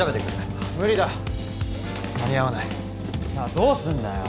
じゃあどうすんだよ！